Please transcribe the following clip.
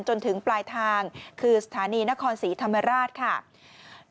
จนถึงปลายทางคือสถานีนครศรีธรรมราชค่ะ